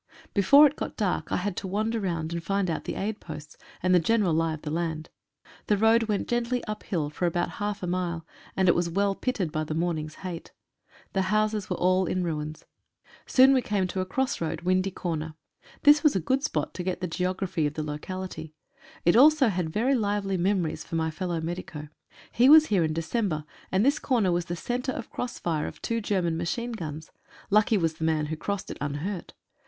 Before it got dark I had to wander round and find out the aid posts, and the general lie of the land. The road went gently uphill for about half a mile, and it was well pitted by the morning's hate. The houses were all ruins. Soon we came to a cross road — Windy Corner. This was a good spot to get the geography of the local ity. It had also very lively memories for mjy fellow medico. He was here in December, and this corner was the centre of cross fire of two German machine guns. Lucky was the man who crossed it unhurt.